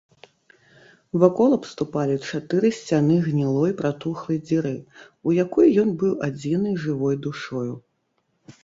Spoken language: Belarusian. Вакол абступалі чатыры сцяны гнілой пратухлай дзіры, у якой ён быў адзінай жывой душою.